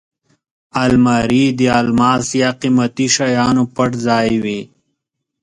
الماري د الماس یا قېمتي شیانو پټ ځای وي